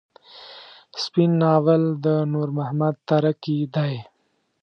سپين ناول د نور محمد تره کي دی.